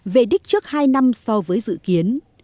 vệ đích trước hai năm so với dự kiến